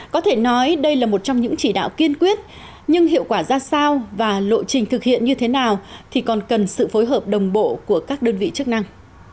có thể nói đây là một trong những chỉ đạo kiên quyết nhưng hiệu quả ra sao và lộ trình thực hiện như thế nào thì còn cần sự phối hợp đồng bộ của các đơn vị chức năng